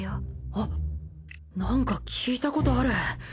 あっなんか聞いたことある。